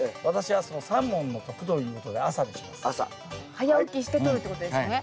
早起きしてとるってことですよね。